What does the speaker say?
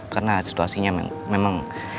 karena situasinya memang